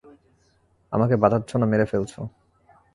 আমাকে বাচাচ্ছো না মেরে ফেলছো?